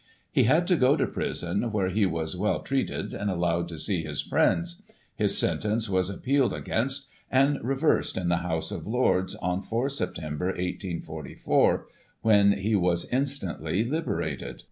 He had to go to prison, where he was well treated and allowed to see his friends; his sentence was appealed against, and reversed in the House of Lords, on 4 Sep., 1844, when he was instantly liberated.